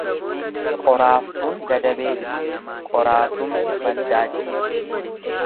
Qoraaftuun gadabee jirti, qoraasumni baddaa jira.